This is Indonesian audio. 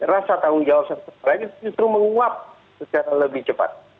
rasa tanggung jawab secara ini justru menguap secara lebih cepat